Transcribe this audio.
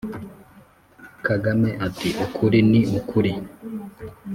Kagame ati ukuli ni ukuli